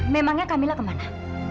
memangnya kamila kemana